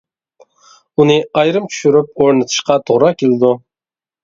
ئۇنى ئايرىم چۈشۈرۈپ ئورنىتىشقا توغرا كېلىدۇ.